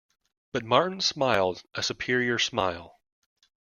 But Martin smiled a superior smile.